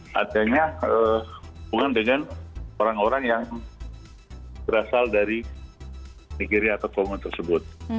sebenarnya hubungan dengan orang orang yang berasal dari negeri atau komunitas tersebut